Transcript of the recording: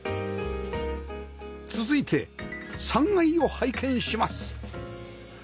続いて３階を拝見します